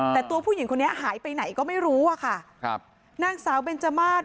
แต่ตัวผู้หญิงคนนี้หายไปไหนก็ไม่รู้อะค่ะครับนางสาวเบนจมาส